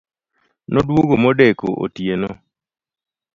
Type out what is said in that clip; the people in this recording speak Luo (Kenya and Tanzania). Noduogo modeko otieno